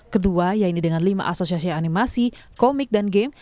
kedua yaitu dengan lima asosiasi animasi komik dan game